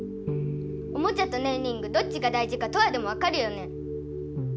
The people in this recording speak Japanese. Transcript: おもちゃとねんリングどっちが大事かトアでもわかるよね？